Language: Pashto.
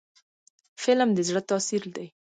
فلم د زړه تاثیر دی